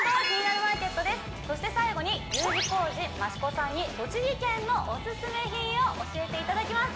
そして最後にＵ字工事益子さんに栃木県のオススメ品を教えていただきます